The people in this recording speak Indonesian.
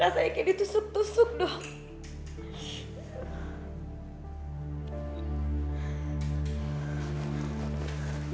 rasanya kayak ditusuk tusuk dong